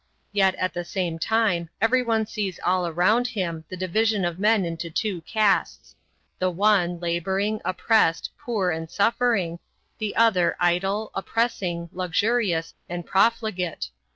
Yet at the same time everyone sees all round him the division of men into two castes the one, laboring, oppressed, poor, and suffering, the other idle, oppressing, luxurious, and profligate.